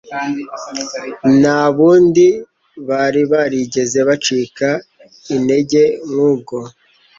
Nta bundi bari barigeze bacika intege nk'ubwo.